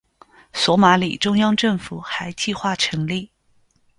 索马里中央政府还计划成立。